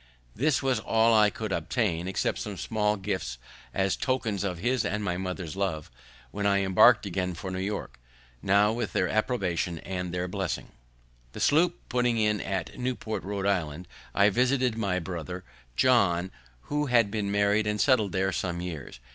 This was all I could obtain, except some small gifts as tokens of his and my mother's love, when I embark'd again for New York, now with their approbation and their blessing. The sloop putting in at Newport, Rhode Island, I visited my brother John, who had been married and settled there some years.